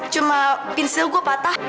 cuma pinsil gue patah